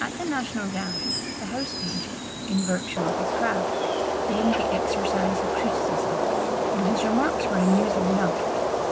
At the National Gallery, the house painter, in virtue of his craft, claimed the exercise of criticism; and his remarks were amusing enough.